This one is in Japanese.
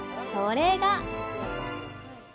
それが！